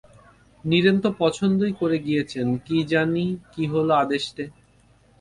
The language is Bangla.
নীরেন তো পছন্দই করে গিয়েচেন-কি জানি কি হল আদেষ্টে!